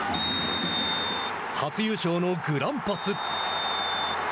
初優勝のグランパス。